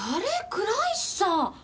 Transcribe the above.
倉石さん。